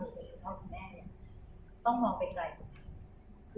เราก็มองแค่ว่าควาดประกัติตุ